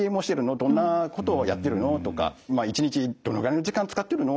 「どんなことをやってるの？」とか「一日どのぐらいの時間使ってるの？」とか